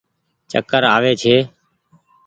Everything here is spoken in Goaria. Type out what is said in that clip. چڪر آوي ڇي ۔